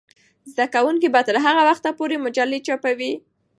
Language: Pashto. زده کوونکې به تر هغه وخته پورې مجلې چاپوي.